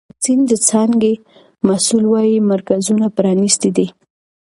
د واکسین د څانګې مسؤل وایي مرکزونه پرانیستي دي.